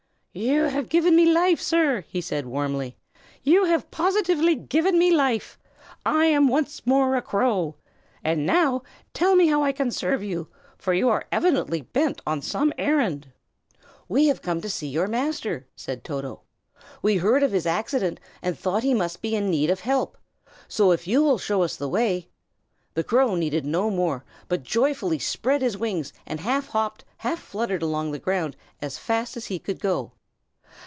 "You have given me life, sir!" he said warmly; "you have positively given me life. I am once more a crow. And now, tell me how I can serve you, for you are evidently bent on some errand." "We have come to see your master," said Toto. "We heard of his accident, and thought he must be in need of help. So, if you will show us the way " The crow needed no more, but joyfully spread his wings, and half hopped, half fluttered along the ground as fast as he could go.